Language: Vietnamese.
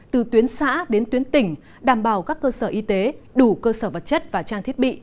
từ tuyến xã đến tuyến tỉnh đảm bảo các cơ sở y tế đủ cơ sở vật chất và trang thiết bị